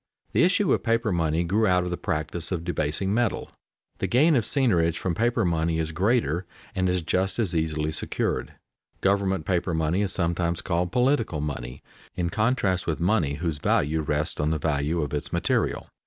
The issue of paper money grew out of the practice of debasing metal. The gain of seigniorage from paper money is greater and is just as easily secured. Government paper money is sometimes called "political money," in contrast with money whose value rests on the value of its material.